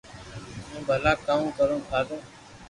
ھون ڀلا ڪاو ڪرو ٿارو